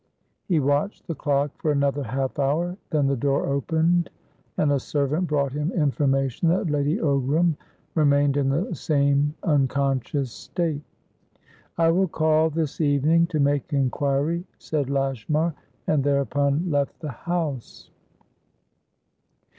He watched the clock for another half hour, then the door opened, and a servant brought him information that Lady Ogram remained in the same unconscious state. "I will call this evening to make inquiry," said Lashmar, and thereupon left the house.